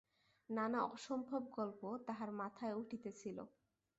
নানা অসম্ভব গল্প তাহার মাথায় উঠিতেছিল।